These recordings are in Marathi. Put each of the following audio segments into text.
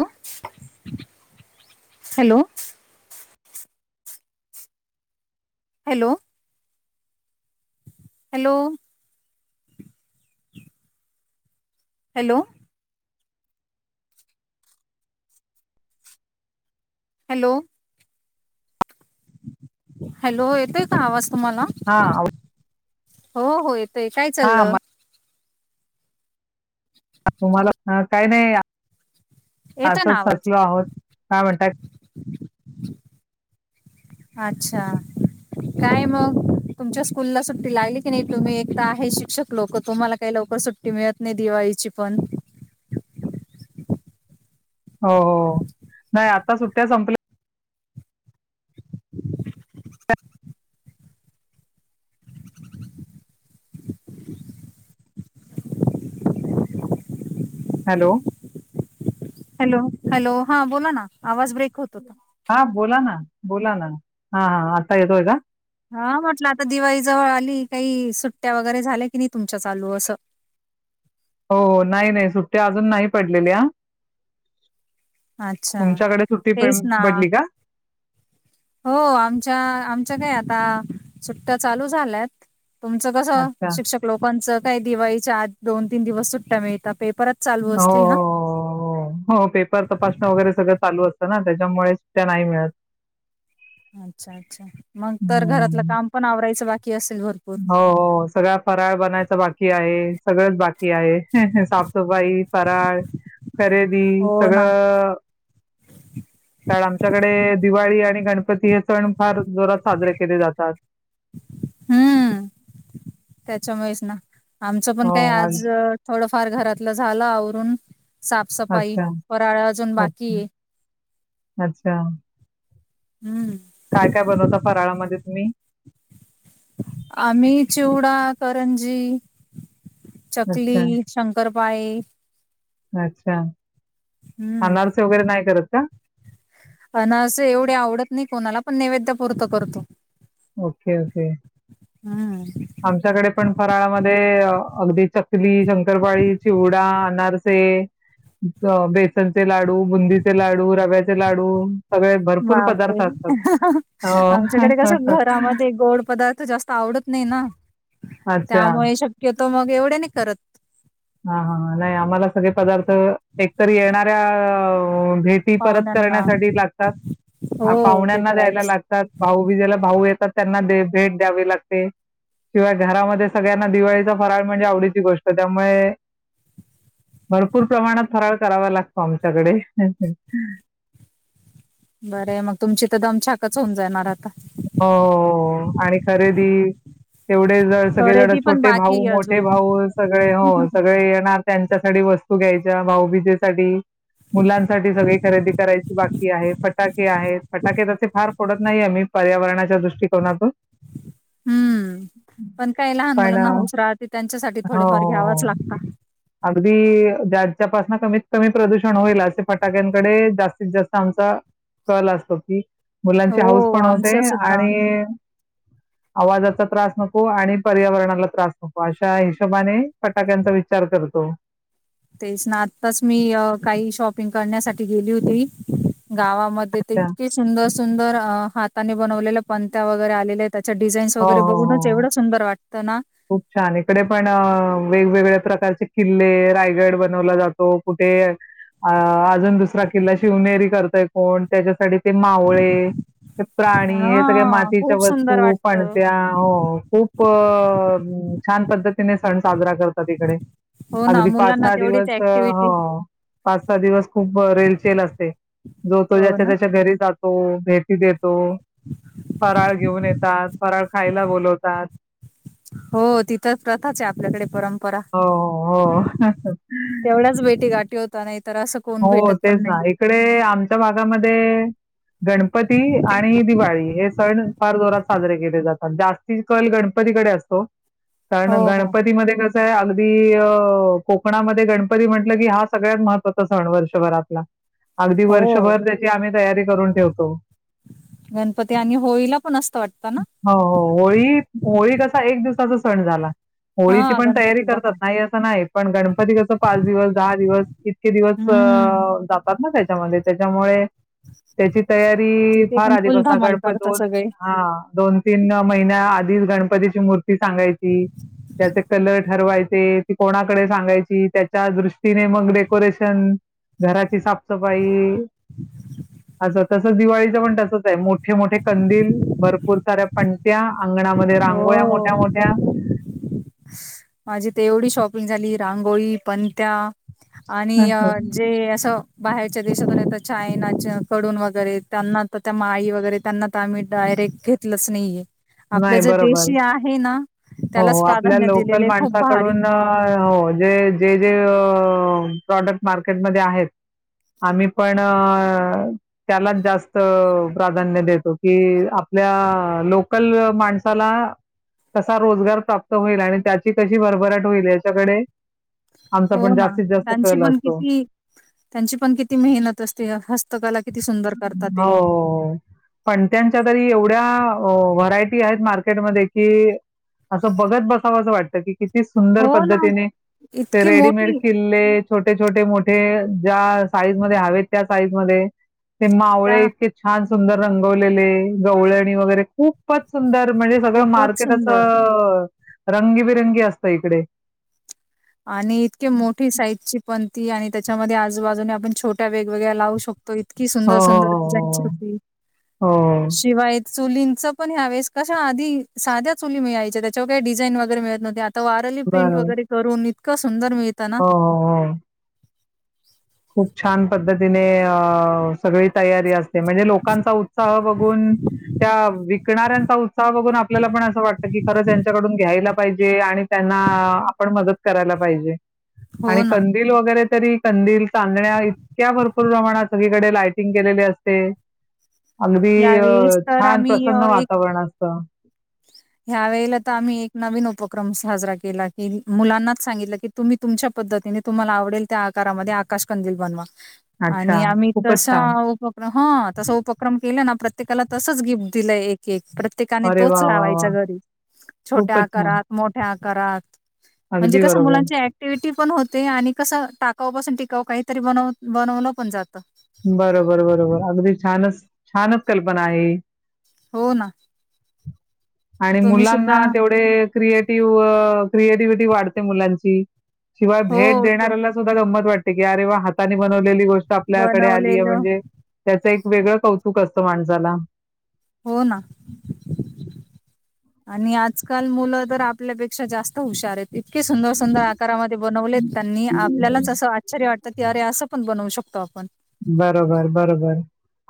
ॅ hello. Hello, hello hello. Hello. Hello, येतोय का आवाजऽ हा, हो, हो, येतय,, काय हा म चाललं? तुम्हाला अं काय नाही, येतोय ना असंच आवाज सचलो आहोत,, का म्हणतातऽऽ अच्छा. काय मग? तुमच्या स्कूलला सुट्टी लागली की नाही, तुम्ही एक तं आहे शिक्षक लोकं, तुम्हाला काय लवकऽऽ र सुट्टी मिळत नाही, दिवाळीची पण. हो, हो, नाही आता सुट्ट्या संपल्याऽऽ हॅलो. हॅलो, हॅलो, हा बोला ना. आवाज ब्रेक होत होता हा बोला ना, बोला ना, हा, हा आता येतोय का? हा म्हटलं आता दिवाळी जवळ आली, काही, सुट्ट्या वगैरे झाल्या की नाही तुमच्या चालू असंऽ [unintelligible] हो ओ नाही, नाही सुट्ट्या अजून नाही पडलेल्या. अच्छा तुमच्याकडे सुट्टी तेच ना पडली का? हो, आमच्या, ऽऽआमच्या काय आता सुट्ट्या चालू झाल्यात. तुमचं कसं,, अच्छा. शिक्षक लोकांचं काही दिवाळीच्या आधी दोन, तीन दिवस सुट्ट्या मिळता तेऽऽ हो, हो, ओ, पेपर तपासणं वगैरे सगळं चालू असऽऽ ना त्याच्यामुळेच, त्या नाही मिळत. अच्छा अच्छा मग तर घरातलं हं. काम पण आवरायचं बाकी असेल भरपूर हो सगळ फराळ बनायच बाकी आहे. सगळंच बाकी आहे साफ सफाई फराळ खरेदी हो ना सगळं कार आमच्याकडे दिवाळी आणि गणपती हे सण फार जोरात साजरे केले जातात. हम. आच्यामुळेस ना आमचं पण हो काही आणि आज थोडंफार घरातलं झालं आवरून. साफसफाई अच्छा, फराळा अजून अच्छा, बाकी आहे. अच्छा. हम्म काय काय बनवता फराळामध्ये तुम्ही? आम्ही चिवडा, करंजी. चकली, अच्छा, शंकरपाळी अच्छा. अनारसी वगैरे नाही करत का? अनारसे असं एवढे आवडत नाही कोणाला पण नैवेद्य पूर्त करतो. Okay okay. हं. आमच्याकडे पण फराळामध्ये अगदी चकली, शंकरपाळी, चिवडा अनार बेसनचे लाडू, बुंदीचे लाडू, रव्याचे लाडू सगळे भरपूर बापरे! पदार्थ असतात. हो. त्यामधे गोड पदार् जास्त आवडत नाही ना? अच्छा. त्यामुळे शक्य तो मग एवढे नाही करत. हां, हां, हां. नाही आम्हाला सगळे पदार्थ एकतर येणाऱ्या भेटी परत पाहुण्यांना करण्यासाठी लागतात. हो ते पाहुण्यांना द्यायला करायच. लागतात. भाऊ बीजेला भाऊ येतात. त्यांना भेट द्यावी लागते. शिवाय घरामध्ये सगळ्यांना दिवाळीचा फराळ म्हणजे आवडीची गोष्ट त्यामुळे भरपूर प्रमाणात फराळ करावा लागतो आमच्याकडे. बर मग तुमची तर दम छाकच होऊन जायणार आता? हो, हो, हो आणि खरेदी तेवढे जर सगळेजण खरेदी पण छोटे बाकी भाऊ आहे मोठे अजून. भाऊ सगळे हो सगळे येणार त्यांच्यासाठी वस्तू घ्यायच्या भाऊबीजेसाठी मुलांसाठी सगळी खरेदी करायची बाकी आहे. फटाके आहेत. फटाके तसे फार पडत नाही आम्ही पर्यावरणाच्या दृष्टिकोनातून. हम्म. पण काही लहान पण अ, मुलांना हुश राहते. त्यांच्यासाठी हो, थोडेफार घ्यावाच हो. लागत. अगदी ज्याच्यापासून कमीत कमी प्रदूषण होईल असे फटाक्यांकडे जास्तीत जास्त आमचा कलं असतो. की, मुलांचे हो हाऊस पण होते आणि ह आवाजाचा त्रास नको. आणि पर्यावरणाला त्रास नको. अशा हिशोबाने फटाक्यांचा विच चार करतो. तेच ना, आताच मी काही शॉपिंग करण्यासाठी गेली होती. गावामध्ये इतककी सुंदर सुंदर हातानी बनवलेल्या पंत्या वगैरे आलेल्या त्या डिाईन् हो, वगैरे हो, बघूनच हो. एवढं सुंदर वाटं खूप छान इकडे पण वेगवेगळ्या प्रकार किल्ले रायगड बनवला जातो. कुठे अ अजून दुसरा किल्ला शिवनेरी करतय कोण, त्याच्यासाठी ते मावळे. प्राणी हे सगळ्या हा मातीच्या खूप सुंदर वस्तू वाटतं. पणत्या हो खूप छान पद्धतीने सण साजरा करतात इकडे. हो ना अगदी पाच मुलांना सहा तेवढीच दिवस, ऍक्टिव्हटी हो पाच सहा दिवस खूप रेलचेल असते. जो तो हो ज्याच्या ना त्याच्या घरी जातो. भेटती देतो. तो फराळ घेऊन येतात. फराळ खायला बोलवतात. हो तिथंच प्रथाच आहे आपल्याकडे, परंपरा हो, हो. तेवढाच भेटी गाठीी होता नाही तर असं कोण हो भेटत तेच पण नाही. ना इकडे आम भागामध्ये गणपती आणि दिवाळी हे सण फार जोरात साजरे केले जातात जास्ती कल गणपतीकडे असतो हो कारण हो गणपतीमध्येध्ये कस अगदी कोकणामध्ये गणपती म्हटलं की हा सगळ्यात महत्वाचा सण वर्षभरातला अगदी हो वर्षभर त्याची आम्ही तयारी करून ठेवतो गणपती आणि होळीला पण असतं वाटतं ना हो हो होळी होळी कसा एक दिवसाचा सण झाला होळीची हा पण तयारी गणपती करतात दहा नाही असं नाही पण गणपती कस पाच दिवस दहा दिवस इ इे दिवस हम्म जातात ना त्याच्यामध्ये त्याच्यामुळे त्याची तयारी तिथे फार पण अधिक फुल असणार धमाल करता गणपतीोन सगळे हा दोन तीन महिन्या धी गणपतीची मूर्ती सांगायची त्याचे कलर ठरवायची त कोणाकडे सांगायची त्याच्या दृष्टीने मग ोरेशन घराची साफसफाई अस तसं दिवाळीचं पण तसच आहे मोठे मोठे कंदील भरपूर साऱ्या पणट्या हो माझी तेवढी शॉपिंग झाली रांगोळी पणत्या आणि जे असं बाहेरच्या देशातून येतात चायनाच्या कडून वगैरे त्यांना तर त्या माळी वगैरे त्यांना तर आम्ही डायरेक्ट घेतलच नाहीये आपलं नाही जे बरोबर देशी आहे ना हो त्यालाच आपल्या प्राधान्य लोकल दिलेले खूप भारी माणसाकडून हो जे जे जे प्रॉडक्ट मार्केटमध्ये आहेत आम्ही पण त्याला जास्त प्राधान्य देतो की आपल्या लोकल माणसाला कसा रोजगार प्राप्त होईल आणि त्याची कशी भरभराट होईल याच्याकडे आमचा हो पण ना जास्तीत जास्त त्यांची खेळल पण असतो किती त्यांची पण किती मेहनत असते हस्तकला किती सुंदर करत ते हो. पण त्यांच्या तरी एवढ्या व्हरायटी आहेत मार्केटमध्ये कि असं बघत बसावं असं वाटतं की किती सुंदर हो ना पद्धतीने ते इतकी रेडीमेड मोठी किल्ले छोटे छोटे मोठे ज्या साईज म हव त्या साईज म ते मावळे त्या इतके छान सुंदर रंगवलेले गवळणी वगैरे खूप खूपच सुंदर म्हणजे सगळं खूपच मार्केट सुंदर असं रंगीबिरंगी असत इकडे आणि इतके मोठी साईजची पण ती आणि त्याच्यामध्ये आजूबाजूने आपण छोट्या वेगवेगळ्या लावू शकतो तो इतकी हो, सुंदर सुंदर डिझाईन्स होती हो, हो, हो. हो. शिवाय चुलींचं पण ह्यावेळेस कश आध साध्या चुली मिळायच्या त्याच्यावर काही डिझाईन वगैरे मिळत नव्हते वारली प्रिंट बरोबर. वगैरे करून इतकं सुंदर मिळत ना हो, हो, हो. खूप छान पद्धतीने अ सगळी तयारी असते म्हणजे लोकांचा उत्साह बघून त्या विकणाऱ्यांचा उत्साह बघून आपल्याला पण असं वाटतं की खरंच यांच्याकडून घ्यायला त्यांना आपण मदत करायला पाहिजे आणि हो ना कंद वगैरे तरी कंदील चांदण्या इतक्या भरपूर प्रमाणात सगळीकडे लायटिंग केलेली असते अगदी यावेळेस तर छान आम्ही अ, प्रसन्न एक वातावरण असत ह्या वेळेला तर आम्ही एक नवीन उप साजरा केला की मुलांनाच सांगितलं की तुम्ही तुमच्या पद्धतीने तुम्हाला आवडेल त्या आकारामध्ये आश कंद बनवा आणि अच्छा. आम्ही त खूपच छान. उपक्रम ह तसा उपक्रम केला ना प्रत प्रत्येकाला तसच गिफ्ट दिलंय एक एक प्रत्येकाने अरे तोच वाह! वाह! लावायचा च्या वाह! घरी छोट्या खूपच छान. आकारात मोठ्या आकारात. म्हणजे अगदी कसं बरोबर. मुलांची ऍक्टिव्हटी पण होत. ते आणि कसं टाकावपासून टिकाव काहीतरी बनव बनवलं पण जातं. बरोबर बरोबर अगदी छानच! छानच कल्पना आहे हि. हो ना, आणि तुम्ही सुद्धा मुलांना तेवढे क्रिएटिव्ह क्रिएटिव्हटी वाढते, मुलांची. शिवाय भेट हो, तो देणाऱ्याला सुद्धा गंमत वाटते की अरे! वा हातांनी बनवलेली गोष्ट आपल्या आली बनवलेलं म्हणजे, त्याच एक वेगळं कौतुक असतं माणसाला हो ना, आणि आजकाल मुलं तर आपल्यापेक्षा जास्त हुशार आहेत. इतके सुंदर सुंदर आकारामध्ये बनवलेत, त्यांनी आपल्यालाच असं आश्चर्य वाटतं. की अरे! असं पण बनवू शक बरोबर बरोबर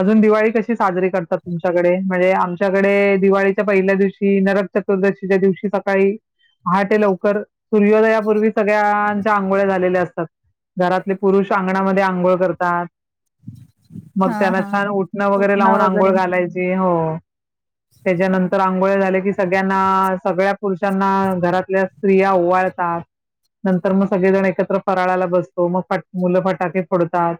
अजून दिवाळी कशी साजरी करतात, तुमच्याकडे म्हणजे, आमच्याकडे दिवाळीच्या पहिल्या दिवशी नरक चतुर्दशीच्या दिवशी सकाळी पहाटे लवकर सूर्योदयापूर्वी सगळ्यांच्या आंघोळ्या झालेल्या असतात घरातले पुरुष अंगणामध्ये आंघोळ करतात. मग हां, त्याना हां. छान उठणं वगैरे, पुतना लावून वगैरे. आंघोळ घालायची. हो त्याच्यानंतर आंघोळ झाले, की सगळ्यांना सगळ्या पुरुषांना घरातल्या स्त्रिया ओवाळतात. नंतर मग सगळेजण एकत्र फराळाला बसतो. मग मुलं फटाके फोडतात.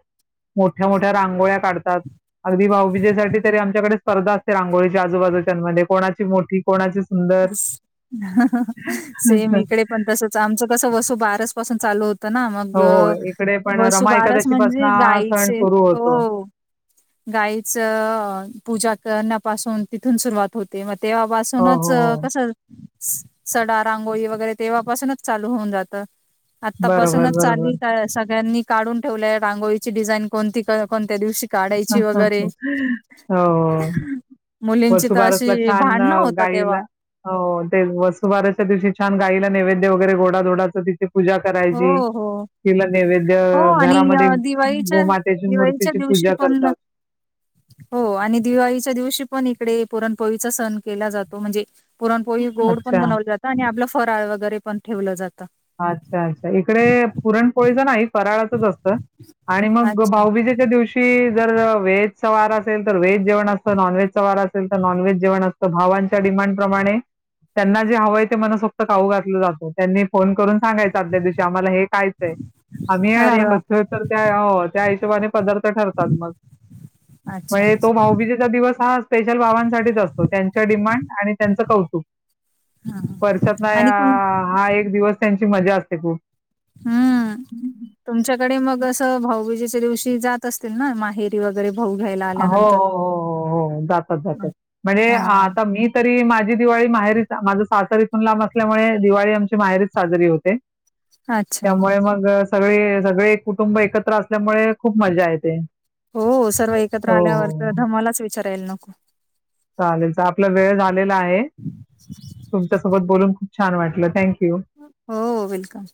मोठ्या मोठ्या रांगोळ्या काढतात. अगदी भाऊबीजे साठी तरी आमच्याकडे स्पर्धा असते. रांगोळीच्या आजूबाजूच्यामध्ये कोणाची मोठी कोणाची सुंदर स--सेम इकडे पण तसचं, आमचं कस वसू बारच चालू होत ना मग हो हो इकडे पण रमा वसुबारस एकादशी पासून म्हणजे, सण गायचे सुरू होतो हो गाईच पूजा करण्यापासून तिथून सुरुवात होते, मग हो तेव्हापासूनच हो हो कसं स सडा रांगोळी वगैरे, तेव्हापासूनच चालू होऊन, जातं बरोबर आतापासूनच बरोबर चाली का सगळ्यांनी काढून ठेवलंय रांगोळीची डिझाईन कोणती कोणत्या दिवशी का? ह ह हो मुलींची तर वसुबारसला अशी छान! भांडणं होतात तेव्हा गायला ते वसुबारसंच्या दिवशी छान गाईला नैवेद्य वगैरे, गोडा धोडाचं पूजा हो करायची. हो तिला नैवेद्य हो आणि घरामध्ये अ, दिवाळीच्या गोमातेची दिवाळीच्या मूर्तीची दिवशी पूजा करतात. [inaudible] हो आणि दिवाळीच्या दिवशी पण इकडे, पुरणपोळीचा सण केला जातो. म्हणजे पुरणपोळी गोड पण अच्छा, बनवलं जातं. आणि आपलं फराळ वगैरे पण ठेवलं जातं. अच्छा अच्छा! इकडे पुरणपोळीच नाही फराळाचंच असतं आणि मग, अच्छा भाऊबीजेच्या दिवशी जर व्हेज चा वार असेल, तर व्हेज जेवण असतं. नॉनव्हेज चा वार असेल, तर नॉनव्हेज जेवण असतं. भावांच्या नं प्रमाणे त्यांना जे हवंय ते मनसोक्त खाऊ घातलं जात. त्यांनी फोन करून सांगायचं आदल्या दिवशी आम्हाला हे खायचंय. आम्ही येणार अरे वा आहोत, तर त्या त्या हिशोबाने पदार्थ ठरतात मग [unintelligible] म्हणजे, तो भाऊबीजेचा दिवस हा स्पेशल भावांसाठीच असतो. त्यांच डिमांड आणि त्यांचं कौतुक. [inaudible] हा. वर्षा तन आणि तुम हा एक दिवस त्यांची मजा असते, खूप. हम्म! तुमच्या डे मग असं भाऊबीजेच्या दिवशी जात असतील, ना माहेरी वगैरे भाऊ घ्यायला हो आल्यानंतर हो हो हो हो जातात जातात म्हणजे, हा आता मी तरी, माझ माझी दिवाळी माहेरी माझं सासरी इथून लांब, असल्यामुळे दिवाळी आमची माहेरीच साजरी होते. अच्छा त्यामुळे मग, सगळे सगळे कुटुंब एकत्र, असल्यामुळे खूप मजा येते. हो सर्व एकत्र हो, आल्यावर तर हो. धमालाच विचाराला नको, वेळझालेला आहे. तुमच्या सोबत बोलून खूप छान वाटलं. थँक्यू हो वेलकम,